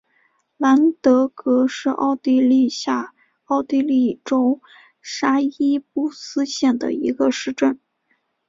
兰德格是奥地利下奥地利州沙伊布斯县的一个市镇。